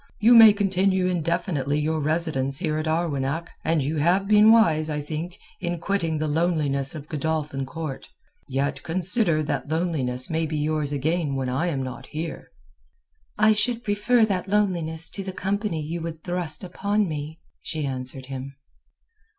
You may continue indefinitely your residence here at Arwenack, and you have been wise, I think, in quitting the loneliness of Godolphin Court. Yet consider that that loneliness may be yours again when I am not here." "I should prefer that loneliness to the company you would thrust upon me," she answered him.